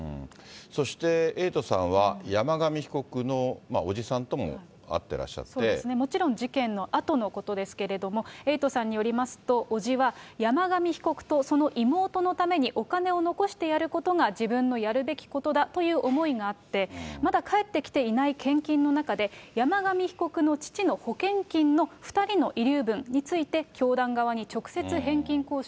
そしてエイトさんは山上被告の伯父さんとも会ってらっしゃっそうですね、もちろん事件のあとのことですけれども、エイトさんによりますと、伯父は山上被告とその妹のためにお金を残してやることが自分のやるべきことだという思いがあって、まだ返ってきていない献金の中で、山上被告の父の保険金の２人の遺留分について、教団側に直接返金